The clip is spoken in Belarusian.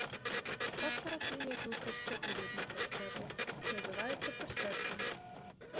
Частка расліны, якую прышчэпліваюць на прышчэпу, называецца прышчэпкам.